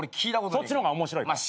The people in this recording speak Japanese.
そっちのが面白いから。